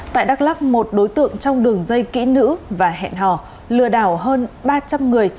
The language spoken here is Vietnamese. tại đắk lắc một đối tượng trong đường dây kỹ nữ và hẹn hò lừa đảo hơn ba trăm linh người